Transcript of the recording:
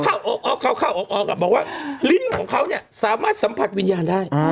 เข้าออกบอกว่าลิ้นของเขาเนี่ยสามารถสัมผัสวิญญาณได้